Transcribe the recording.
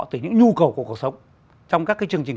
từ những nhu cầu của cuộc sống trong các chương trình